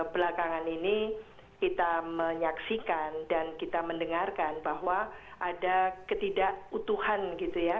belakangan ini kita menyaksikan dan kita mendengarkan bahwa ada ketidakutuhan gitu ya